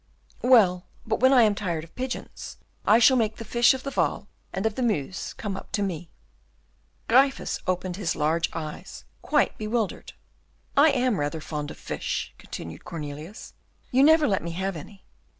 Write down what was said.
"Well, but when I am tired of pigeons, I shall make the fish of the Waal and of the Meuse come up to me." Gryphus opened his large eyes, quite bewildered. "I am rather fond of fish," continued Cornelius; "you never let me have any.